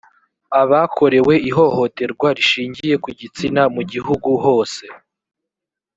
abakorewe ihohoterwa rishingiye ku gitsina mu gihugu hose